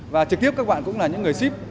và trực tiếp các bạn cũng là những người ship